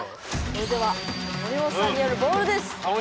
それでは森本さんによる「ボール」です！